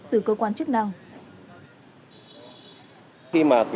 từ cơ quan chức năng